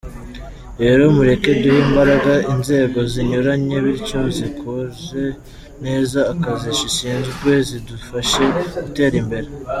Rero mureke duhe imbaraga inzego zinyuranye bityo zikore neza akazi zishinzwe zidufashe gutera imbere.